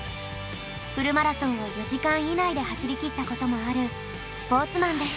フルマラソンを４時間以内で走りきったこともあるスポーツマンです。